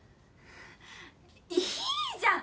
いいじゃん。